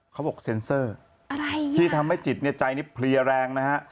เขาบอกเซ็นเซอร์อะไรที่ทำให้จิตในใจนี้เพลียแรงนะฮะ